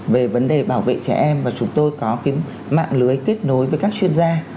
về vấn đề bảo vệ trẻ em và chúng tôi có mạng lưới kết nối với các chuyên gia